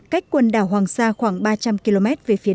cách quần đảo hoàng sa khoảng ba trăm linh km